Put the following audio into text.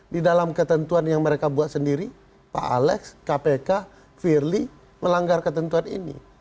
di dalam ketentuan yang mereka buat sendiri pak alex kpk firly melanggar ketentuan ini